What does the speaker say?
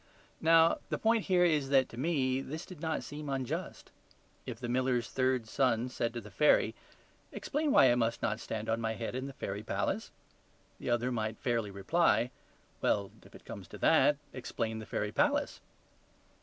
Now, the point here is that to ME this did not seem unjust. If the miller's third son said to the fairy, "Explain why I must not stand on my head in the fairy palace," the other might fairly reply, "Well, if it comes to that, explain the fairy palace."